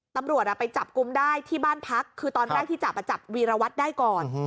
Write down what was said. ตำรวจไปจับกลุ่มได้ที่บ้านพักคือตอนแรกที่จับจับวีรวัตรได้ก่อน